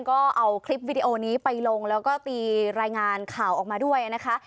ก็เอาคลิปวิดีโอนี้ไปลงแล้วก็ตีรายงานข่าวออกมาด้วยนะคะ